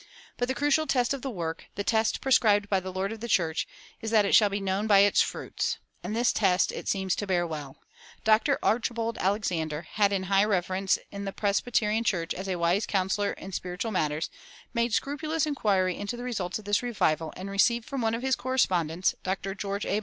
But the crucial test of the work, the test prescribed by the Lord of the church, is that it shall be known by its fruits. And this test it seems to bear well. Dr. Archibald Alexander, had in high reverence in the Presbyterian Church as a wise counselor in spiritual matters, made scrupulous inquiry into the results of this revival, and received from one of his correspondents, Dr. George A.